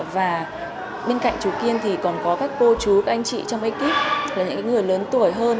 và bên cạnh chú kiên thì còn có các cô chú các anh chị trong ekip là những người lớn tuổi hơn